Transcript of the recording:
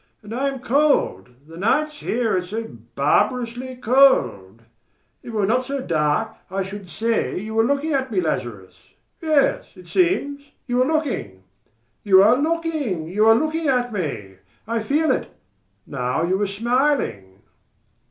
And I am cold. The nights here are so barbarously cold... If it were not so dark, I should say you were looking at me, Lazarus. Yes, it seems, you are looking. You are looking. You are looking at me!... I feel it now you are smiling."